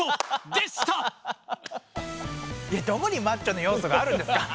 どこにマッチョのようそがあるんですか？